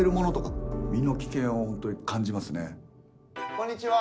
こんにちは。